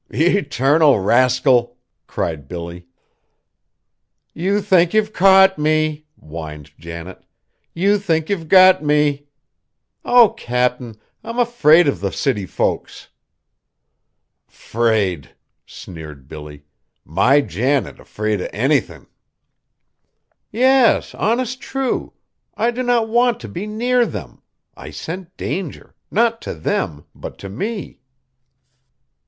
"Ye 'tarnal rascal!" cried Billy. "You think you've caught me!" whined Janet, "you think you've got me! Oh! Cap'n, I'm afraid of the city folks!" "Fraid!" sneered Billy. "My Janet 'fraid o' anythin'!" "Yes, honest true! I do not want to be near them. I scent danger; not to them, but to me!"